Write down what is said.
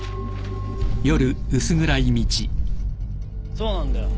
そうなんだよ。